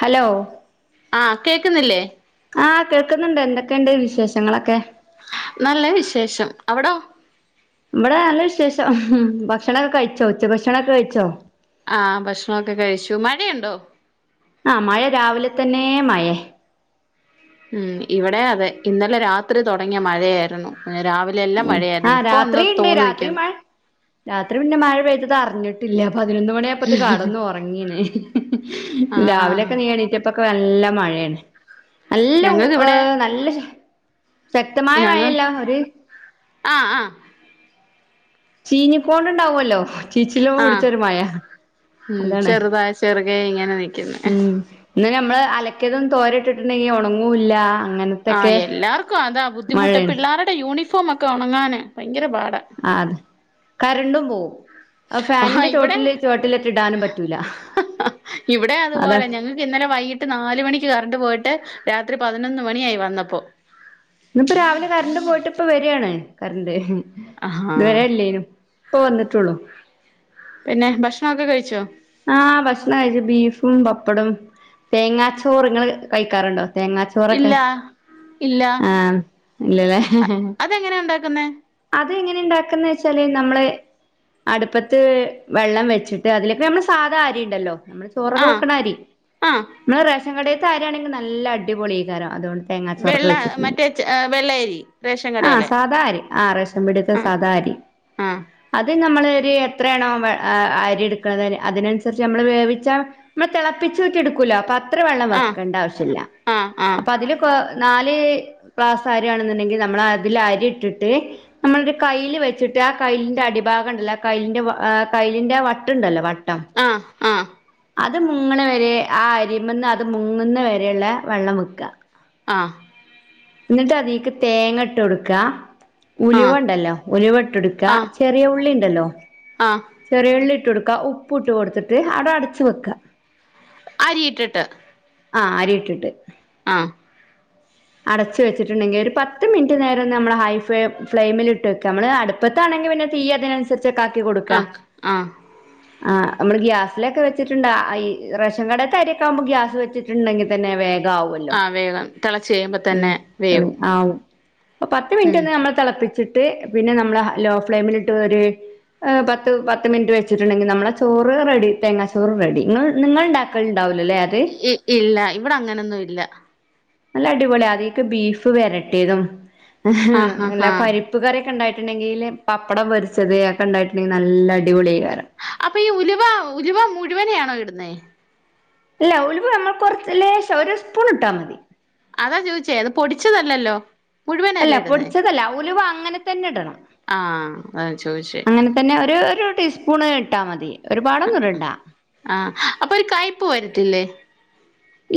Hello ആഹ് കേക്കുന്നില്ലേ ആഹ് കേൾക്കുന്നുണ്ട് എന്തൊക്കെയുണ്ട് വിശേഷങ്ങളൊക്കെ നല്ല വിശേഷം അവ്ടോ ഇവടെ നല്ല വിശേഷം ഭക്ഷണക്കെ കഴിച്ചോ ഉച്ച ഭക്ഷണൊക്കെ കഴിച്ചോ ആ ഭക്ഷണൊക്കെ കഴിച്ചു മഴയുണ്ടോ ആ മഴ രാവിലെ തന്നെ മഴേ ഉം ഇവടെ അതെ ഇന്നലെ രാത്രി തുടങ്ങിയ മഴയായിരുന്നു രാവിലെ ലെ എല്ലാം മഴയാര്ന്നു ആഹ് ഇപ്പൊ ഒന്ന് രാത്രിയുണ്ട് തോർന്നു രാത്രി നിൽക്കുന്നു മഴ രാത്രി പിന്നെ മഴ പെയ്തത് അറിഞ്ഞിട്ടില്ല പതിനൊന്ന് മണിയ പ്പത് കടന്ന് ഉറങ്ങീണ് ആഹ് രാവിലെയൊക്കെ എണീട്ടപ്പൊക്കെ നല്ല മഴയാണ് നല്ല ഊ ഞങ്ങൾക്ക് ഏ ഇവിടെ നല്ല ശ ശക്തമായ ഞങ്ങൾ മഴയല്ല ഒര് ആഹ് ആഹ് ചീഞ്ക്കൊണ്ട് ണ്ടാവല്ലോ ചീച്ചില് ആഹ് പുട്ച്ചൊര് മഴ ഉം അതാണ് ചെറുതായി ചെറുകെ ഇങ്ങനെ നിക്കുന്ന് ഉം ഇന്ന് ഞമ്മള് അലക്ക്യേതൊന്നും തോരട്ട്ട്ട് ണ്ടെങ്കി ഒണങ്ങൂല്ല അങ്ങനത് ആ എല്ലാർക്കും അതാ ബുദ്ധിമുട്ട് പിള്ളേരുടെ യൂണിഫോമക്കെ ഉണങ്ങാന് ഭയങ്കര പാട ആ അത കരണ്ടും പോവും ആ ആഹ് ഫാനിന്റെ ഇവിടെ ചോട്ടില് ചോട്ടിലേറ്റ ഇടാനും പറ്റൂല അതാ യ്ക്ക് ഇന്നലെ വൈകിട്ട് നാലുമണിക്ക് കറണ്ട് പോയിട്ട് രാത്രി പതിനൊന്ന് മണിയായി വന്നപ്പോ ഇന്ന് പ്പോ രാവിലെ കരണ്ട് പോയിട്ട് ഇപ്പ വരാണ് കരണ്ട് ആഹാ ഇത് വരേ ല്ലെയ്നു ഇപ്പ വന്നിട്ടൊള്ളൂ പിന്നെ ഭക്ഷണക്കെ കഴിച്ചോ ആ ഭക്ഷണം കഴിച്ചു ബീഫും പപ്പടും തേങ്ങാച്ചോറ് ഇങ്ങള് കഴിക്കാറുണ്ടോ തേങ്ങാച്ചോറ് ചോറൊക്കെ ഇല്ല ഇല്ല ആ ഇല്ലല്ലേ അതെങ്ങനെ ഉണ്ടാക്കുന്നേ അത് എങ്ങനെ ഉണ്ടാക്കന്ന് വെച്ചാല് നമ്മള് അടുപ്പത്ത് വെള്ളം വെച്ചിട്ട് അതിലേക്ക് നമ്മള് സ് സാധാ അരി ഉണ്ടല്ലോ നമ്മള് ചോറൊക്കെ ആ വെക്കണ അരി ആ നമ്മളെ റേഷൻ കടീത്തെ അരി ആണെങ്കി നല്ല അടിപൊളി എകാരം അതുകൊണ്ട് തേങ്ങാച്ചോറക്കെ വെള്ള വെച്ചിട്ടുണ്ടെകി മറ്റേ വെള്ളയരി റേഷൻ ആ കടയിലെ സാധാരി ആ റേഷൻ പിടീത്തെ സാധാരി ആഹ് അത് നമ്മള് ഒരു എത്രയാണോ അരി എടുക്ക്ണത് അതിനനുസരിച്ച് നമ്മള് വേവിച്ച നമ്മള് തിളപ്പിച്ച് ഊറ്റി എടുക്കൂലോ പാത് അത്ര വെള്ളം ആ വെക്കേണ്ട ആവശ്യല്ല ആ ആ അപ്പൊ അതില് പ്പോ നാല് ക്ലാസ് അരിആണെന്നുണ്ടെങ്കിൽ നമ്മള് അതില് അരി ഇട്ടിട്ട് നമ്മളൊരു കയ്ല് വെച്ചിട്ട് ആ കൈലിന്റെ അടിഭാഗം ഉണ്ടല്ലോ കൈലിന്റെ കൈലിന്റെ ആ വട്ടുണ്ടല്ലോ വട്ട് ആഹ് അത് മുങ്ങ്ണ വരെ ആ അരിമന്ന് അത് മുങ്ങുന്ന വരെ ള്ള വെള്ളം വെക്ക ആഹ് ന്നിട്ട് അതീക്ക് തേങ്ങ ഇട്ട് കൊടുക്കാ ആ ഉലുവുണ്ടല്ലോ ഉലുവ ഇട്ട് ടുക്കാ ചെറിയ ഉള്ളി ഇണ്ടല്ലോ ആഹ് ചെറിയുള്ളി ഇട്ട് കൊടുക്ക ഉപ്പും ഇട്ട് കൊടുത്തിട്ട് അവ്ടാ അട്ച്ച് വെക്കാ അരിയിട്ടിട്ട് ആ അരി ഇട്ടിട്ട് ആഹ് അടച്ച് വെച്ച്ട്ട്ണ്ടെങ്കി ഒരു പത്ത് മിൻറ്റ് നേരം ഒന്ന് നമ്മള് ഹൈ ഫ് ഫ്ലെയിമില്ട്ട് വെക്ക നമ്മള് അട് ട്പ്പത്താണെങ്കി പിന്നെ തീ അതിനനുസരിച്ചൊക്കെ ആക്കി കൊടുക്ക ആ ആ ആ നമ്മള് ഗ്യാസിലൊക്കെ വെച്ചിട്ട്ണ്ടാ അയ് റേഷൻ കടേത്തെ അരി ഒക്കൊ ആവുമ്പ ഗ്യാസ് വെച്ചിട്ട്ണ്ടെങ്കി തന്നെ വേഗം ആവൊ അഹ് വേഗാണ് തെളച്ച് കയ്യുമ്പ ത ഉം തള് ആവും പ്പൊ പത്ത് ഉം മിൻറ്റൊക്കെ ഞമ്മൾ തെളപ്പിച്ചിട്ട് പിന്നെ നമ്മ്ള് ലോ ഫ്ലെയ്മിലിട്ട് ഒര് അഹ് പത്ത് പത്ത് മിനിറ്റ് വെച്ച്ട്ട്ണ്ടെങ്കിൽ നമ്മളെ ചോറ് റെഡി തേങ്ങാ ചോറ് റെഡി ഇങ്ങൾ നിങ്ങൾ ഇണ്ടാക്ക ക്കൽണ്ടാവൂലലെ അത് ഇ ഇല്ല ഇവിടെ അങ്ങനൊന്നും ഇല്ല നല്ല അടിപൊളിയാ അതിക്ക്‌ ബീഫ് വെരട്ടിയതും ആഹ് ആഹ് നല്ല ആഹ് പരി പ്പ് കറിയൊക്കെ ഇണ്ടായിട്ട്ണ്ടെങ്കി ല് പപ്പടം പൊരിച്ചത് അഒക്കെ ഇണ്ടായിട്ട്ണ്ടെങ്കിൽ നല്ല അടിപൊളി എയ്കാരം അപ്പ ഈ ഉലുവ ഉലുവ മുഴുവനെയാണോ ഇടുന്നേ ഇല്ല ഉലുവ നമ്മൾ കൊറച്ച് ലേശം ഒരു സ്പൂൺ ഇട്ടാ മതി അതാ ചോദിച്ചേ അത് പൊടിച്ചതല്ലല്ലോ അല്ല മുഴുവനല്ലേ ഇടുന്നേ പൊടിച്ചതല്ല ഉലുവ അങ്ങനെ തന്നെ ഇടണം ആഹ് അതാ ഞാൻ ചോയ്ച്ചേ അങ്ങനെ തന്നെ ഒര് ഒരു ടീസ്പൂണ് ഇട്ടാൽ മതി ഒരുപാടൊന്നും ഇടണ്ട ആഹ് അപ്പൊ ഒരു കയ്പ്പ് വര്ത്തില്ലേ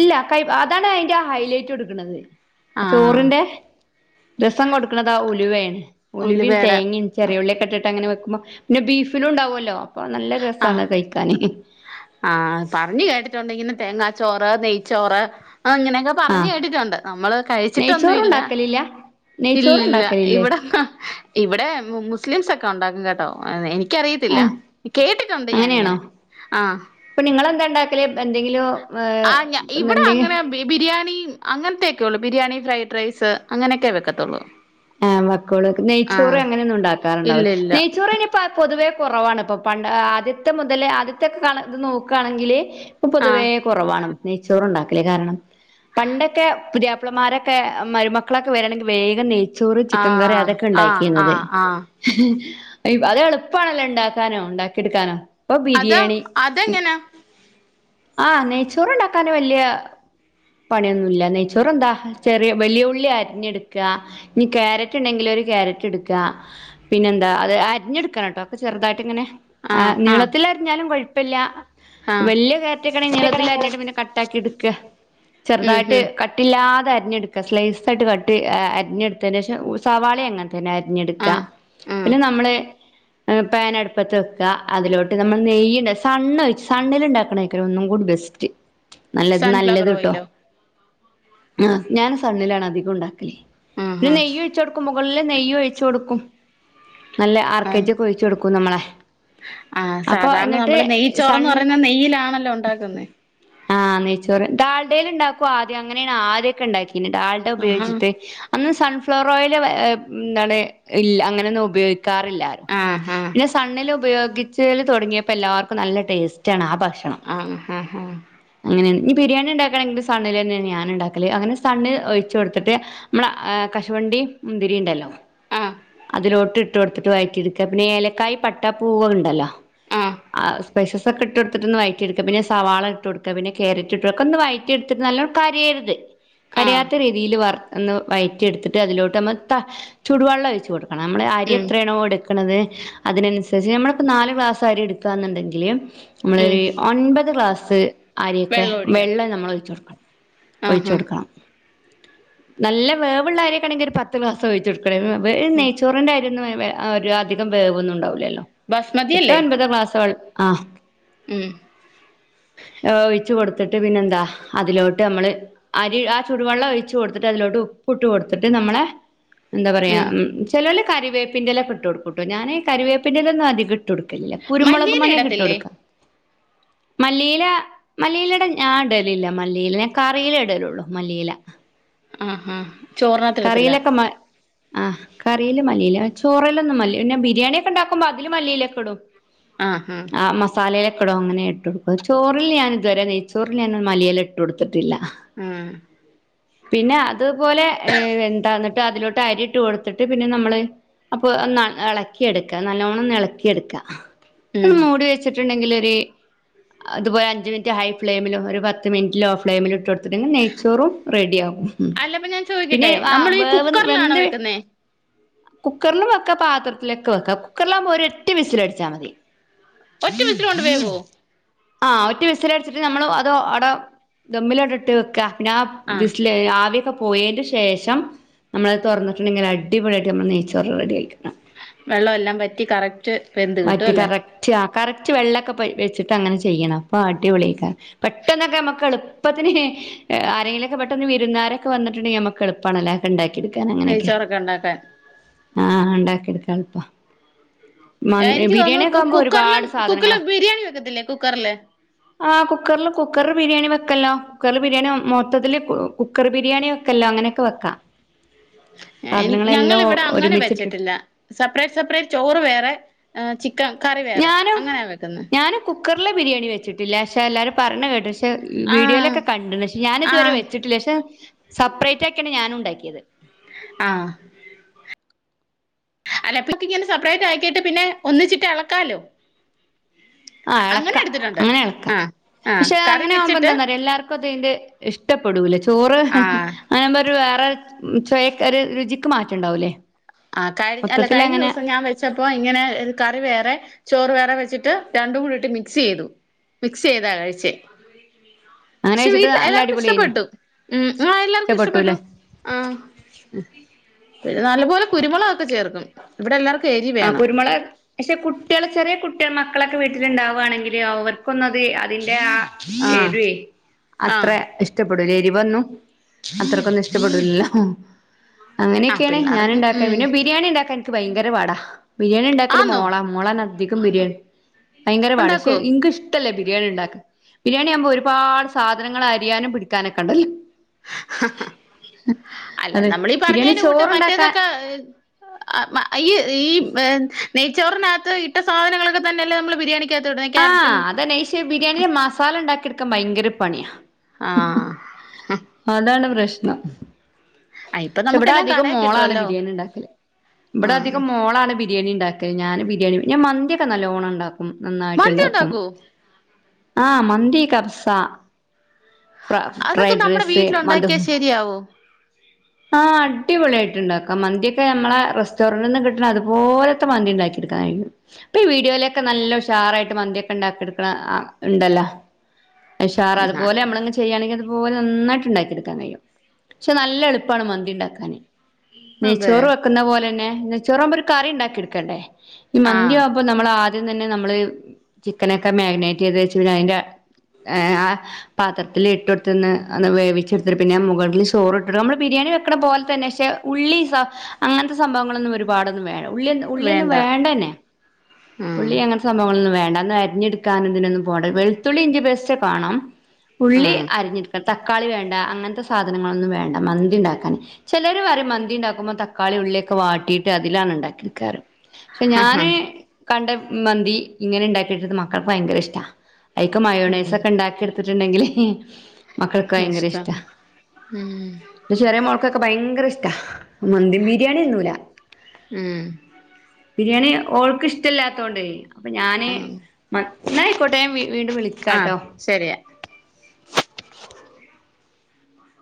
ഇല്ല കൈപ് അതാണ് അയ്ന്റെ ഹൈലൈറ്റ് കൊട്ക്ക്‌ണത് ആഹ് അചോറിന്റെ രസം കൊടുക്ക്‌ണത് ആ ഉലുവേണ് ഉലുവിം ഉലുവേടെ തേങ്ങ്യിം ചെറിയ ഉള്ളിയെക്കെ ഇട്ട്ട്ട് അങ്ങനെ വെക്കുമ്പോ പിന്നെ ബീഫിലും ഇണ്ടാവൊല്ലോ അപ്പൊ നല്ല രസാണ് ആഹ് അഹ് കഴിക്കാന് ആഹ് പറഞ്ഞ് കേട്ടിട്ടുണ്ട് ഇങ്ങനെ തേങ്ങാച്ചോറ് നെയ്ച്ചോറ് അങ്ങനെയൊക്കെ പറഞ്ഞ് ആഹ് കേട്ടിട്ടുണ്ട് നമ്മള് കഴിച്ചിട്ടൊന്നു ഇല്ല നെയ്ച്ചോറുണ്ടാക്കലില്ല ഇല്ലില്ല നെയ്ച്ചോറുണ്ടാക്കലില്ലേ ഇവിടെ അഹ് ക്കെ ഇവിടെ മു മുസ്ലിംസൊക്കെ ഒണ്ടാക്കും കെട്ടോ എന്ന് എനി ക്കറിയത്തില്ല ആഹ് കേട്ടിട്ടുണ്ട് ഞാനിങ്ങനെ ആഹ് അപ്പ നിങ്ങെന്താ ഇണ്ടാക്കല് എന്തെങ്കിലും ഏഹ് ആഹ് ഞ ഇവിടെ എന്തെ അങ്ങനെ ബി ബിരിയാണിം അങ്ങൻത്തെയെക്കെ ഒള്ളു ബിരിയാണി, ഫ്രൈഡ് റൈസ് അങ്ങനെ ഒക്കെ വെക്കത്തൊള്ളൂ ആഹ് വെക്കൊള്ളേക്ക്‌ നെയ്ച്ചോറ് അങ്ങനെ ഒന്നും ഇണ്ടാക്കാറ് ഇല്ല ഇണ്ടാവുല ഇല്ല നെയ്ച്ചോറ് അയ്‌ന് ഇ പ്പ പൊതുവേ കൊറവാണ് ഇപ്പൊ പണ്ട് ആദ്യത്തെ മുതല് ആദ്യതൊക്കെ കാണാ ഇത് നോക്കാണെങ്കില് ഇപ്പൊ പൊതുവേ ആഹ് കൊ റവാണ് നെയ്ച്ചോറ് ഇണ്ടാക്കല് കാരണം പണ്ടൊക്കെ പുതിയാപ്ലമാരൊക്കെ മരുമക്കള് ഒക്കെ വെരണെങ്കി വേഗം നെയ് ചോറ് ചിക്കൻ കറി ആഹ് അതൊക്കെ ആഹ് ഇണ്ടാക്കിന്നത് ആഹ് ആഹ് അത് എള്പ്പാണല്ലോ ഇണ്ടാക്കാനും ഇണ്ടാക്കി ഇട്ക്കാനും പ്പൊ അത് ബിരിയാണി അതെങ്ങനാ ആഹ് നെയ്ച്ചോറ് ഇണ്ടാക്കാന് വെല്ല്യെ പണിയൊന്നു ഇല്ല നെയ്ച്ചോറ് എന്താ ചെറ്യെ വെല്യെ ഉള്ളി അരിഞ്ഞ് ഇട്ക്കാ ഇഞ് ക്യാരറ്റ് ഇണ്ടെങ്കില് ഒരു ക്യാരറ്റ് ഇട്ക്കാ പിന്നെ എന്താ അത് അരിഞ്ഞ് ഇട്ക്കണംട്ടോ ഒക്കെ ചെറുതായിട്ട് ഇങ്ങനെ ആഹ് നീളത്തില് അരിഞ്ഞാലും കൊഴ്പ്പല്ല ആഹ് വെല്ല്യെ ക്യാരറ്റൊക്കെ ആണെങ്കി നീളത്തില് അരിഞ്ഞ്ട്ട് പിന്നെ കട്ടാക്കി ഇട്ക്ക ഉം ചെറ്തായിട്ട് ഉം കട്ട് ട്ടില്ലാതെ അരിഞ്ഞ് ഇട്ക്ക സ്ലൈസ് ആയിട്ട് കട്ടി അരിഞ്ഞ്ട്ത്തേനേഷം സവാളീം അങ്ങൻ ത്തനെ അരിഞ്ഞ് ഇട്ക്ക ആഹ് ആഹ് പിന്നെ നമ്മള് എഹ് പാന് അട്പ്പത്ത് വെക്കാ അതിലോട്ട് നമ്മൾ നെയ്യ് ഇണ്ട് സണ്ണ് ഒഴിച്ച് സണ്ണില് ഇണ്ടാക്ക്‌ണെയ്ക്കാരം ഒന്നും കൂടി ബെസ് റ്റ് നല്ലത് സൺഫ്ലവർ നല്ലത് ട്ടോ ഓയിലോ ആഹ് ഞാൻ സണ്ണിലാണ് അധികും ഇണ്ടാക്കല് ആഹ് പിന്നെ ആഹ് നെയ്യു ഒഴിച്ചൊട്ക്കും മുകളിലില് നെയ്യും ഒഴിച്ച് കൊടുക്കും നല്ല ആർ കെ ആഹ് ജി ഒക്കെ ഒഴിച്ച് കൊടുക്കും നമ്മളെ ആഹ് അപ്പൊ സാധാരണ എന്നിട്ട് നമ്മള് നെയ്യ് സൺ ചോറന്ന് പറയുന്ന നെയ്യിലാണല്ലോ ഉണ്ടാക്കുന്നേ ആഹ് നെയ്ച്ചോറ് ഡാൾഡയിൽ ഉണ്ടാക്കും ആദ്യം, അങ്ങനെയാണ് ആദ്യമൊക്കെ ഉണ്ടാക്കിയിരുന്നത്, ഡാൽഡ ആഹാ ഉപയോഗിച്ചിട്ട് അന്ന് സൺഫ്ലവർ ഓയില് എന്താണ് ഇല്ല, അങ്ങനെയൊന്നും ഉപയോഗിക്കാറില്ല ആഹ് പിന്നെ സണ്ണില് ഉപയോഗിച്ചേല് തുടങ്ങിയപ്പോ എല്ലാവർക്കും നല്ല ടേസ്റ്റ് ആണ് ആ ഭക്ഷണം ആഹ് ആഹ് ആഹ് അങ്ങനെ ഇനി ബിരിയാണി ഉണ്ടാക്കണെങ്കിലും സണ്ണില് തന്നെ ഞാൻ ഉണ്ടാക്കല്, അങ്ങനെ സണ്ണ് ഒഴിച്ച് കൊടുത്തിട്ട് നമ്മള കശുവണ്ടീം മുന്തിരീം ഉണ്ടല്ലോ ആഹ് അതിലോട്ടി ഇട്ട് കൊടുത്തിട്ട് വഴറ്റിയെടുക്ക, പിന്നെ ഏലക്കായി, പട്ട, പൂവ് ഉണ്ടല്ലോ ആഹ് സ്പൈസസ് ഒക്കെ ഇട്ട് കൊടുത്തിട്ടൊന്ന് വയറ്റിയെടുക്ക, പിന്നെ സവാള ഇട്ട് കൊടുക്ക, പിന്നെ കേരറ്റ് ഇട്ട് കൊടുക്ക, ഒന്ന് വയറ്റി റ്റിയെടുത്തിട്ട് നല്ലോണം, കരിയരുത് ആഹ് കരിയാത്ത രീതിയില് വറു വയറ്റി എടുത്തിട്ട് അതിലോട്ട് നമ്മൾ ത ചൂടുവെള്ളം ഒയിച്ച് കൊടുക്കണം നമ്മൾ അരി ഉം എത്രയാണോ എടുക്കണത് അതിനനുസരിച്ച് നമ്മളിപ്പോ നാല് ഗ്ലാസ് അരി എടുക്കാന്നുണ്ടെങ്കില് ഉം നമ്മളൊരു ഒൻപത് ഗ്ലാസ് അരിയൊക്കെ വെള്ളം നമ്മള് ഒഴിച്ചു കൊടുക്കണം ഒഴിച്ചു ആഹ് കൊടുക്കണം നല്ല വേവുള്ള അരിയൊക്കെയാണെങ്കിൽ ഒരു പത്ത് ഗ്ലാസ് ഒഴിച്ചു കൊടുക്കണം. ആഹ് നെയ്ച്ചോറിന്റെ [unintelligible] അധികം വേവൊന്നും ഉണ്ടാവില്ലല്ലോ ബസ്മതി അല്ലെ [unintelligible] ആഹ് ഉം ഒഴിച്ചു കൊടുത്തിട്ട് പിന്നെന്താ അതിലോട്ട് നമ്മള് അരി ആ ചുടുവെള്ളം ഒഴിച്ചു കൊടുത്തിട്ട് അതിലോട്ട് ഉപ്പിട്ട് കൊടുത്തിട്ട് നമ്മള് എന്താ പറയാ ഉം ചിലോല് കറിവേപ്പിൻ്റെ ഇലയൊക്കെ ഇട്ട് കൊടുക്കുട്ടോ, ഞാന് കറിവേപ്പിൻ്റെ ഇല ഒന്നും അധികം ഇട്ട് ഇട്ടുകൊടുക്കില്ല. കുരുമുളക് മല്ലിയില മണിയൊക്കെ ഇട്ടു ഇടത്തില്ലേ കൊടുക്കാം മല്ലീല മല്ലീലയുടെ ഞാൻ ഇടലില്ല മല്ലീല, ഞാൻ കറിയിലേ ഇടലുള്ളു മല്ലീല ആഹ് ആഹ് ചോറിനകത്ത് ഇടത്തില്ല കറിയിലൊക്കെ മ ആഹ് കറിയില് മല്ലിയില, ചോറിലൊന്നും മല്ലി, പിന്നെ ബിരിയാണിയൊക്കെണ്ടാക്കുമ്പോ അതില് മല്ലിയിലയൊക്കെ ഇടും ആഹ് മ മസാലയിലൊക്കെ ഇടും, അങ്ങനെ ഇട്ട് കൊടുക്കും. ചോറിൽ ഞാൻ ഇതുവരെ നെയ്ച്ചോറിൽ ഞാൻ മലിയില ഇട്ട് കൊടുത്തിട്ടില്ല ഉം പിന്നെ അതുപോലെ എന്താന്നിട്ട് അതിലോട്ട് അരി ഇട്ട് കൊടുത്തിട്ട് പിന്നെ നമ്മള് അപ്പൊ ഒന്ന് ഇളക്കിയെടുക്ക, നല്ലോണം ഒന്ന് ഇളക്കിയെടുക്കുക. ഉം മൂടി വെച്ച ച്ചിട്ടുണ്ടെങ്കിൽ ഒര്, അതുപോലെ അഞ്ച് മിനിട്ട് ഹൈ ഫ്ലെയിമിലും ഒരു പത്ത് മിനിട്ട് ലോ ഫ്ലെയിമിലും ഇട്ടുകൊടു ണ്ടെങ്കിൽ നെയ്ച്ചോറും റെഡിയാവും അല്ലപ്പ ഞാൻ പിന്നെ ചോദിക്കട്ടെ ആഹ് നമ്മള് ഈ വേവ് കുക്കറിലാണോ വെന്ത് വെക്കുന്നേ കുക്കറിലും വെക്കാം പാത്രത്തിലൊക്കെ വെക്കാം. കുക്കറിലാവുമ്പോ ഒരൊറ്റ വിസിലടിച്ചാൽ മതി ഒറ്റ വിഴ വിസില് കൊണ്ട് വഴ വേവോ ആഹ് ഒറ്റ വിസൽ അടിച്ചിട്ട് നമ്മള് അത് അവിടെ ദമ്മിലോട്ട് ഇട്ട് വെക്കുക. പിന്നെയാ ആഹ് വിസി [unintelligible] ആവിയൊക്കെ പോയേൻ്റെ ശേ ശേഷം നമ്മളത് തൊറന്നിട്ടുണ്ടെങ്കിൽ അടിപൊളിയായിട്ട് നമ്മളെ നെയ്ച്ചോറ് റെഡി ആയിരിക്കും ആഹ് വെള്ളം എല്ലാം വറ്റി കറക്റ്റ് റ്റ് പരു വറ്റി കറക്റ്റ്, ആഹ് കറക്റ്റ് വെള്ളൊക്കെ പ വെച്ചിട്ട് അങ്ങനെ ചെയ്യണം, അപ്പം അടിപ്പൊളിയായിക്കും പെട്ടെന്നൊക്കെ നമ്മക്ക് എളുപ്പത്തിന് ആരെങ്കിലൊക്കെ പെട്ടെന്ന് വിരുന്നുകാരൊക്കെ വന്നിട്ടുണ്ടെങ്കി നമ്മക്ക് എളു പ്പാണല്ലെ ഒണ്ടാക്കി എടുക്കാൻ അങ്ങനെയൊക്കെ നെയ്ച്ചോറൊക്കെ ഉണ്ടാക്കാൻ ആഹ് ഒണ്ടാക്കി എടുക്കാൻ എളുപ്പാ മ എനിക്ക് തോന്നുന്നു ബിരിയാണിയൊക്കെ കുക് ആകുമ്പോ കുക്കർലും ഒരുപാട് കുക്കറില് സാധനങ്ങളാ ബിരിയാണി വെക്കത്തില്ലേ കുക്കർല് ആഹ് കുക്കർൽ കുക്കറ് ബിരിയാണി വെക്കല്ലോ കുക്കറിൽ ബിരിയാണി മൊത്തത്തില് കുക്കറ് ബിരിയാണി വെക്കല്ലോ അങ്ങനൊക്കെ വെക്കാം എനി സാധനങ്ങളെല്ലാം ഞങ്ങളിവിടെ അങ്ങനെ ഒരുമിച്ചിട്ടിട്ട് വെച്ചട്ടില്ല സപ്പ്റേറ്റ് സപ്പ്റേറ്റ് ചോറ് വേറെ ഏ ചി ക്കൻ കറി വേറെ ഞാനും അങ്ങനെയാ വെക്കുന്നെ ഞാനും കുക്കറിലെ ബിരിയാണി വെച്ചിട്ടില്ല പക്ഷെ എല്ലാരും പറേണ കേട്ട് ട്ട് ആഹ് വീഡിയോയിലൊക്കെ കണ്ടിണ്ട് പക്ഷെ ഞാൻ ഇതുവരെ ആഹ് വെച്ചിട്ടില്ല പക്ഷെ സപ്പറേറ്റ് ആക്കിയാണ് ഞാനും ഉണ്ടാക്കിയത് ആഹ് അല്ല അപ്പഴ്ത്തേക്കും ഇങ്ങനെ സപ്പറേറ്റ് ആക്കിയിട്ട് പിന്നെ ഒന്നിച്ചിട്ട് എളക്കാലോ ആഹ് അങ്ങനെ എളക്കാം എടുത്തിട്ടുണ്ട് അങ്ങനെ എളക്കാം ആഹ് ആഹ് പക്ഷെ കറി അങ്ങനെ ആവുമ്പം വെച്ചിട്ട് എന്താന്നറിയോ എല്ലാർ ക്കും അതിന്റെ ഇഷ്ടപ്പെടൂല ചോറ് ആഹ് അയിനാവുമ്പം ഒരു വേറെ ചൊയക്ക് ഒര് രുചിക്ക് മാറ്റണ്ടാവുല്ലേ ആഹ് കഴി അല്ല കഴിഞ്ഞ ദിവസം ഞാൻ വെ ച്ചപ്പോ ഇങ്ങനെ കറി വേറെ ചോറ് വേറെ വെച്ചിട്ട് രണ്ടും കൂടി ഇട്ട് മിക്സ് ചെയ്തു മിക്സ് ചെയ്താ കഴിച്ചേ അങ്ങനെ പക്ഷെ വെച്ചിട്ട് വീട്ട്ല് നല്ല എല്ലാർക്കും അടിപൊളിയേനു ഇഷ്ടപ്പെട്ടു ഉം ആഹ് എല്ലാർക്കും ഇഷ്ടപ്പെട്ടു ഇഷ്ടപ്പെട്ടൂല്ലേ ആഹ് നല്ല പോലെ കുരുമുളകൊക്കെ ചേർക്കും ഇവിടെല്ലാർക്കും എരിവ് ആഹ് കുരുമൊളക് പക്ഷെ കുട്ടിയള് ചെറിയ കുട്ടിയ മക്കളൊക്കെ വീട്ടിലിണ്ടാവുവാണെങ്കില് അവർക്കൊന്നും അത് അതിന്റെ ആ ആഹ് എരുവെ അത്ര ആഹ് ഇഷ് ട്ടപ്പെടൂല എരിവൊന്നും അത്രക്കൊന്നും ഇഷ്ടപ്പെടൂലല്ലോ ആഹ് അങ്ങനെയൊക്കെയാണെ ഞാൻ പിള്ളേർക്ക് ഉണ്ടാക്കാ ഉം പിന്നെ ബി രിയാണി ഉണ്ടാക്കാൻ എനിക്ക് ഭയങ്കര പാടാ ബിരിയാണി ഉണ്ടാക്കല് ആന്നോ മോളാ മോളാന്ന് അധികം ബിരിയാണി ഭയങ്കര പാട് പക്ഷെ ഉണ്ടാക്കോ ഇൻകിഷ് ട്ടല്ല ബിരിയാണി ഉണ്ടാക്ക് ബിരിയാണി ആവുമ്പം ഒരുപാട് സാധനങ്ങൾ അരിയാനും പിടിക്കാനൊക്കെ ഉണ്ടല്ലോ അല്ല അതെ നമ്മളീ ബിരിയാണി പറഞ്ഞേന്റെ കൂട്ട് ചോറുണ്ടാക്കാൻ മറ്റേതൊക്കെ ഈ ഈ നെയ്ച്ചോറിനാത്ത് ഇട്ട സാധനങ്ങളൊക്കെ തന്നല്ലേ നമ്മള് ബിരിയാണിക് ആഹ് അതന്നെ പക്ഷേ ബിരിയാണിടെ മസാല ഉണ്ടാക്കി എടുക്കാൻ ഭയങ്കര പണിയാ ആഹ് ആഹ് അതാണ് പ്രശ്നം ഇപ്പൊ പക്ഷെ ഇവിടെ നമുക്കെല്ലാം അധികം കടേ മോളാണ് കിട്ടുവല്ലോ ബിരിയാണി ഉണ്ടാക്കല് ഇവിടെ ആഹ് അധികം മോളാണ് ബി രിയാണി ഉണ്ടാക്ക് ഞാനും ബിരിയാണി ഞാൻ മന്തിയൊക്കെ നല്ലോണം ഉണ്ടാക്കും നന്നായിട്ട് മന്തി ഇണ്ടാക്കും ഉണ്ടാക്കോ ആഹ് മന്തി കബ്സ ഫ്രൈ ഫ്രൈഡ് റൈസ് മധ്ഹൂ രിയാവോ ആഹ് അടിപൊളിയായിട്ട് ഇണ്ടാക്കാം മന്തിയൊക്കെ ഞമ്മളെ റെസ്റ്റോറന്റിന്ന് കിട്ടണ അതുപോലത്തെ മന്തി ഇണ്ടാക്കി എടുക്കാൻ കഴിയും ഇപ്പം ഈ വീഡിയോയിലൊക്കെ നല്ല ഉഷാർ ആയിട്ട് മന്തിയൊക്കെ ഉണ്ടാക്കി എടുക്കണ ആ ഉണ്ടല്ലോ ഉഷാറ് അതുപോലെ നമ്മളങ്ങ് ചെയ്യാണെങ്കി അതുപോലെ നന്നായിട്ട് ഉണ്ടാക്കി എടുക്കാൻ കഴിയും പക്ഷെ നല്ല എളു പ്പാണ് മന്തി ഉണ്ടാക്കാന് അതെ നെയ്ച്ചോറു വെ ക്ക്ന്ന പോലന്നെ നെയ്ചോറാവുമ്പം ഒരു കറി ഉണ്ടാക്കി എടുക്കേണ്ടേ ഈ മന്തിയാ ആഹ് വുമ്പം നമ്മള് ആദ്യം തന്നെ നമ്മള് ചിക്കനെക്കെ മാഗിനേറ്റ് ചെയ്ത് വെച്ച് പിന്നെ അയിന്റെ ഏ ആ പാത്രത്തില് ഇട്ടൊടുത്ത്ന്ന് ഒന്ന് വേവിച്ചെടുത്തിട്ട് പിന്നെ മുകളിൽ ചോറ് ഇട്ടിട്ട് നമ്മള് ബിരിയാണി വെക്കണ പോൽ തന്നെ പക്ഷെ ഉള്ളി സ അങ്ങനത്തെ സംഭവങ്ങളൊന്നും ഒരുപാടൊന്നും വേ ഉള്ളി ഉള്ളി ഒന്ന് വേണ്ട വേണ്ടെന്നേ ഉം ഉള്ളി അങ്ങനെ സംഭവങ്ങളൊന്നും വേണ്ടന്ന് അരിഞ്ഞെടുക്കാന ഇതിനൊന്നും പോണ്ടത് വെളത്തുള്ളി ഇന്ത്യ ബെസ്റ്റ കാണാം ഉള്ളി ഉം അരിഞ്ഞിടുക്ക തക്കാളി വേണ്ട അങ്ങനത്തെ സാധനങ്ങളൊന്നും വേണ്ട മ ഉണ്ടാക്കാന് ചിലർ പറയും മന്തി ഉണ്ടാക്കുമ്പോൾ തക്കാളി ഉള്ളിയൊക്കെ വാട്ടിട്ട് അതിലാണ് ഉണ്ടാക്കി എടുക്കാറ് പക്ഷെ ഞാന് കണ്ട മന്തി ഇങ്ങനെ ഉണ്ടാക്കിയിട്ടി മക്കൾക്ക് ഭയങ്കര ഇഷ്ട ഐക്ക ഉം മയോണൈസ് ഒക്കെ ഉണ്ടാക്കി എടുത്തിട്ടുണ്ടെങ്കില് മക്കൾക്ക് ഭയങ്കര ഇഷ്ട ഇഷ്ടാ ഉം ചെറിയ മുളക്കൊക്കെ ഭയങ്കര ഇഷ്ട മന്തിൻ ബിരിയാണിന്നുല ഉം ബിരിയാണി ഓൾക്ക് ഇഷ്ടമല്ലാത്തൊണ്ട് അപ്പൊ ഞാന് ഉം മ [unintelligible] കോട്ടെ ഞാൻ വീണ്ടും വിളിക്ക അഹ് ശരിയാ